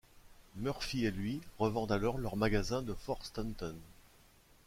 Murphy et lui revendent alors leur magasin de Fort Stanton.